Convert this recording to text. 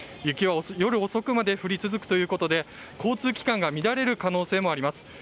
雪は夜遅くまで降り続くということで交通機関が乱れる可能性もあります。